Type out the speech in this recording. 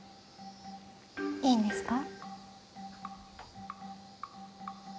いいんですか？